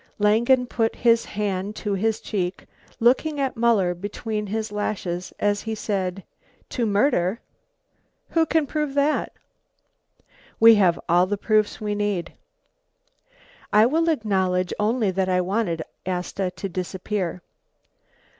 Langen put his hand to his cheek, looking at Muller between his lashes as he said, "To murder? Who can prove that?" "We have all the proofs we need." "I will acknowledge only that I wanted Asta to disappear."